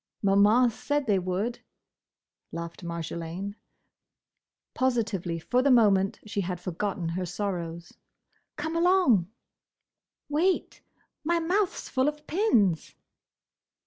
"Maman said they would!" laughed Marjolaine. Positively, for the moment she had forgotten her sorrows. "Come along!" "Wait! My mouth 's full of pins!"